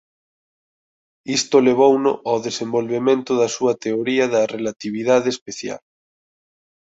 Isto levouno ao desenvolvemento da súa teoría da relatividade especial.